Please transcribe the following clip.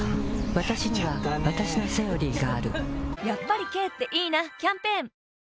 わたしにはわたしの「セオリー」があるやっぱり軽っていいなキャンペーン女性